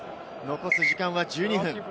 残す時間は１２分。